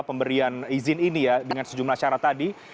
pemberian izin ini ya dengan sejumlah syarat tadi